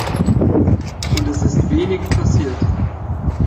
Und es ist wenig passiert!